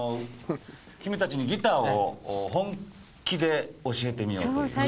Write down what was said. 君たちにギターを本気で教えてみようという」